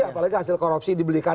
apalagi hasil korupsi dibelikan